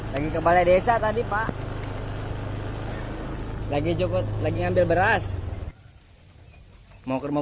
lagi ke balai desa tadi pak gaji cukup lagi ngambil beras mau ke rumah